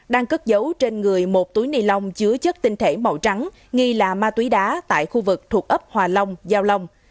đang cất dấu trên người một túi ni lông chứa chất tinh thể màu trắng nghi là ma túy đá tại khu vực thuộc ấp hòa long giao long